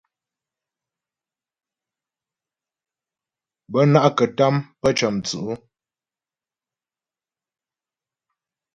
Bə́ ná'kətâm pə́ cə̌mstʉ̌'.